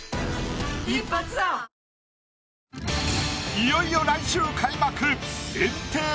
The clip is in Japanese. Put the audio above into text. いよいよ来週開幕。